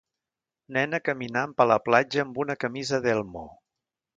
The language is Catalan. Nena caminant per la platja amb una camisa d'elmo.